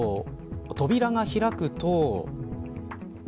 扉が開くと。